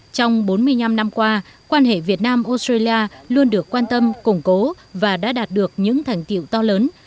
trong bốn mươi năm năm qua quan hệ việt nam australia luôn được quan tâm củng cố và đã đạt được những thành tiệu to lớn